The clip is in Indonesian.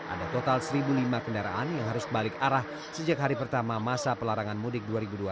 ada total satu lima kendaraan yang harus balik arah sejak hari pertama masa pelarangan mudik dua ribu dua puluh